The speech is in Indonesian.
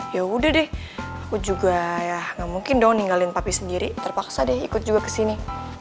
yaudah deh aku juga ya gak mungkin dong ninggalin papi sendiri terpaksa deh ikut juga kesini